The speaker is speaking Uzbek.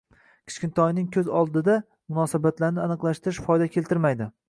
Kichkintoyning ko‘z oldida munosabatlarni aniqlashtirish foyda keltirmaydi.